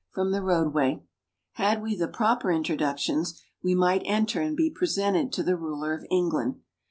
from the roadway. Had we the proper introductions, we might enter and be presented to the ruler of England.